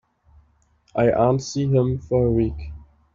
I ain't seen him for a week.